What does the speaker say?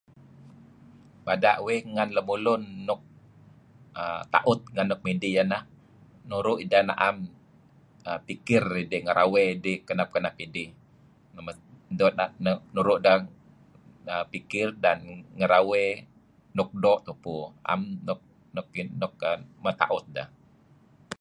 Bada' uih ngan lemulun luk err ta'ut ngan luk midih yah neh nuru' idah am pikir idih ngerawey idih kenep-kenep idih. [unintelligible] nuru' deh pikir dan ngerawey' nuk doo' tupu, na'am nuk nuk meta'ut deh.